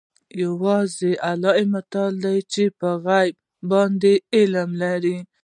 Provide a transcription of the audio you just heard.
یوازې الله تعلی دی چې په غیبو باندې علم لري.